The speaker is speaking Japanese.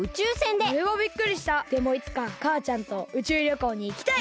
でもいつかかあちゃんとうちゅうりょこうにいきたい！